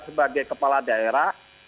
sebagai kepala daerah